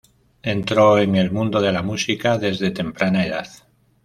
Entró en el mundo de la música desde temprana edad.